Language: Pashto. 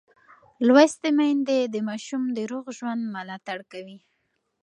لوستې میندې د ماشوم د روغ ژوند ملاتړ کوي.